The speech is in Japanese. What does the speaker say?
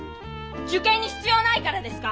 受験に必要ないからですか？